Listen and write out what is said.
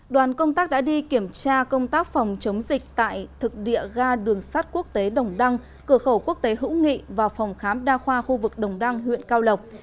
đoàn công tác đã đi kiểm tra công tác phòng chống dịch tại thực địa ga đường sát quốc tế đồng đăng cửa khẩu quốc tế hữu nghị và phòng khám đa khoa khu vực đồng đăng huyện cao lộc